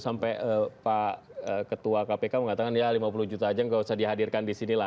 sampai pak ketua kpk mengatakan ya lima puluh juta aja nggak usah dihadirkan di sini lah